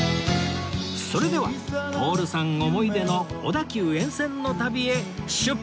それでは徹さん思い出の小田急沿線の旅へ出発！